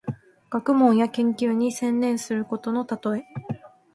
学問や研究に専念することのたとえ。